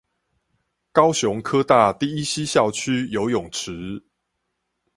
高雄科大第一西校區游泳池